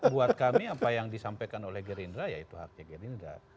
buat kami apa yang disampaikan oleh gerindra ya itu haknya gerindra